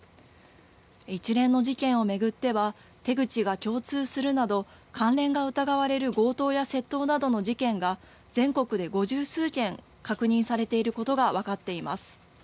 一連の事件を巡っては、手口が共通するなど、関連が疑われる強盗や窃盗などの事件が全国で五十数件確認されていることが分かっています。